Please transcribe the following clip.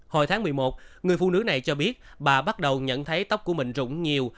hồi tháng một mươi một người phụ nữ này cho biết bà bắt đầu nhận thấy tóc của mình rụng nhiều